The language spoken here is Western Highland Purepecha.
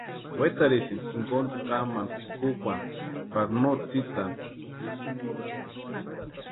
Wetarhisïnti jinkontku kamani pʼikukwani pari no tsïtani.